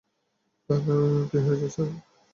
তার কী হয়েছে, স্যার?